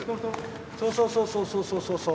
そうそうそうそうそうそうそうそう。